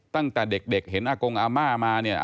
ตั้งแต่เด็กเห็นอากงอาม่ามาเนี่ย